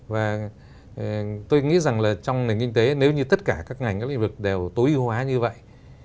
và tôi nghĩ rằng là trong nền kinh tế nếu như tất cả các ngành các lĩnh vực đều tối ưu hóa như vậy